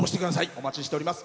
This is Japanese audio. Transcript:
お待ちしております。